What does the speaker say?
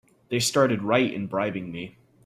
They started right in bribing me!